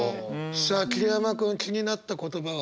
さあ桐山君気になった言葉は？